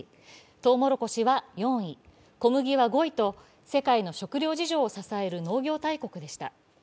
とうもろこしは４位、小麦は５位と世界の食糧事情を支える農業大国でした。